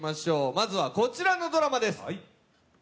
まずはこちらのドラマです。